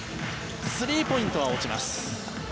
スリーポイントは落ちます。